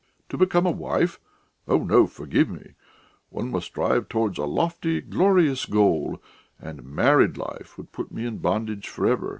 To become a wife oh, no, forgive me! One must strive towards a lofty, glorious goal, and married life would put me in bondage for ever.